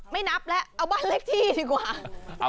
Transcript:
ไม่นับแล้วเอาบ้านเลขที่ดีกว่า